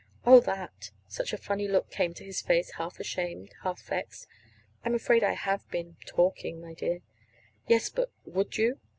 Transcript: "Oh, that!" Such a funny look came to his face, half ashamed, half vexed. "I'm afraid I have been talking, my dear." "Yes, but would you?"